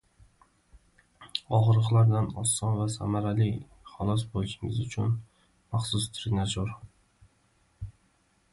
Og‘riqlardan oson va samarali xalos bo‘lishingiz uchun maxsus trenajyor